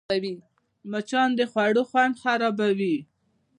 مچان د خوړو خوند خرابوي